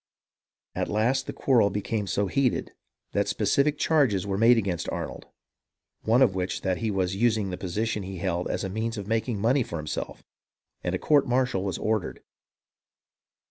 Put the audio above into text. At last the quarrel became so heated that specific charges were made against Arnold, one of which was that he was using the position he held as a means of making money for himself, and a court martial was ordered.